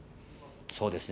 そうですね。